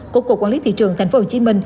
của cục quản lý thị trường tp hcm